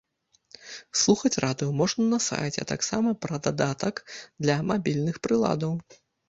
Слухаць радыё можна на сайце, а таксама пра дадатак для мабільных прыладаў.